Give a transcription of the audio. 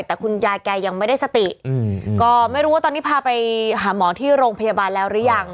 แต่คุณยายแกยังไม่ได้สติก็ไม่รู้ว่าตอนนี้พาไปหาหมอที่โรงพยาบาลแล้วหรือยัง